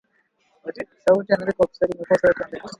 sauti ya Amerika kwa Kiswahili imekua mstari wa mbele